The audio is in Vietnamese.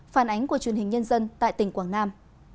phản ánh của truyền hình nhân dân tại tỉnh quảng nam